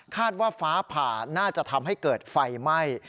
ว่าฟ้าผ่าน่าจะทำให้เกิดไฟไหม้